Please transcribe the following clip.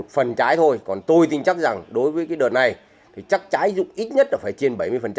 phần trái thôi còn tôi tin chắc rằng đối với cái đợt này thì chắc trái dụng ít nhất là phải trên bảy mươi